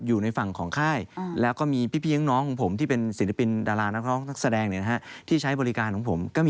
อยู่ทั้งฝั่งนายจ้างและลูกจ้าง